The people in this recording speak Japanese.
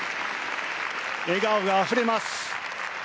笑顔があふれます。